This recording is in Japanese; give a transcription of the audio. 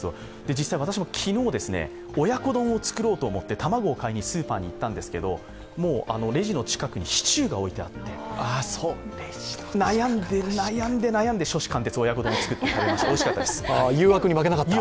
実際私も昨日、親子丼を作ろうと思って卵を買いにスーパーに行ったんですけどもうレジの近くにシチューが置いてあって、悩んで悩んで、初志貫徹、親子丼を作っておいしかったです。